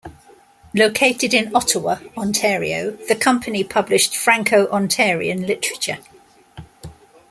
Located in Ottawa, Ontario, the company published Franco-Ontarian literature.